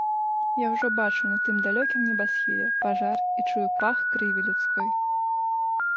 Я ўжо бачу на тым далёкім небасхіле пажар і чую пах крыві людской.